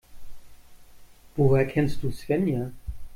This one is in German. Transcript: Woher kennst du Svenja?